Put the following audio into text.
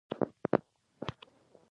مهرباني د پیرودونکي زړه پرانیزي.